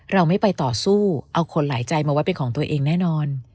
เราไม่ไปต่อสู้เอาคนหลายใจมาไว้เป็นของตัวเองแน่นอน